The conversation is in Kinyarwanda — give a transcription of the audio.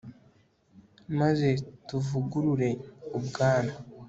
maze tuvugurure ubwami